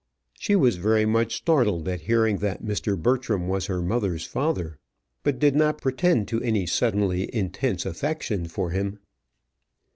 She was very much startled at hearing that Mr. Bertram was her mother's father, but did not pretend to any suddenly intense affection for him.